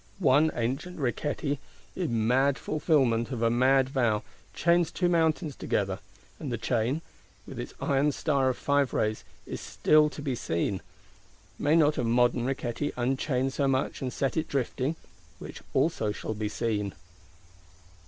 One ancient Riquetti, in mad fulfilment of a mad vow, chains two Mountains together; and the chain, with its "iron star of five rays," is still to be seen. May not a modern Riquetti unchain so much, and set it drifting,—which also shall be seen?